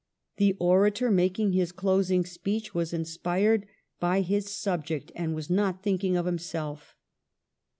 The orator making his closing speech was inspired by his subject and was not thinking of himself.